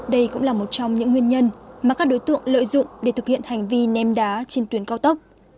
đây cũng là một trong những nguyên nhân mà các đối tượng lợi dụng để thực hiện hành vi ném đá trên tuyến cao tốc